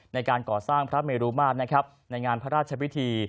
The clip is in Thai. ในการก่อสร้างพระเมรุมาตรนะครับในงานพระราชพิธี